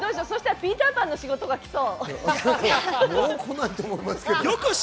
ピーターパンの仕事が来そう。